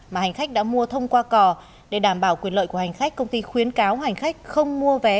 mà hành khách đã mua thông qua cò để đảm bảo quyền lợi của hành khách công ty khuyến cáo hành khách không mua vé